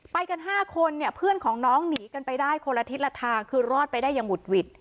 ไปกัน๕คนเนี่ยเพื่อนของน้องหนีกันไปได้คนละทิศละทางคือรอดไปได้อย่างหุดหวิด